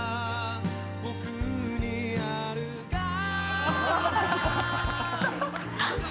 「僕にあるかな」